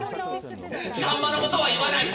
さんまのことは言わない」。